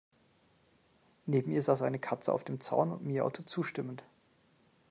Neben ihr saß eine Katze auf dem Zaun und miaute zustimmend.